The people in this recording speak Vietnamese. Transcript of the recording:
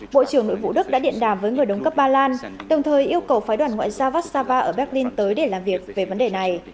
bộ trưởng nội vụ đức đã điện đàm với người đồng cấp ba lan đồng thời yêu cầu phái đoàn ngoại giao vassava ở berlin tới để làm việc về vấn đề này